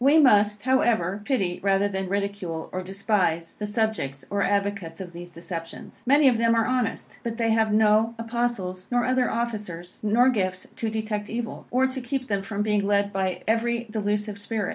We must, however, pity, rather than ridicule, or despise, the subjects or advocates of these deceptions. Many of them are honest, but they have no Apostles, nor other officers, nor gifts to detect evil, or to keep them from being led by every delusive spirit.